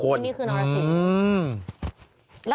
อันนี้คือนอรสิงศ์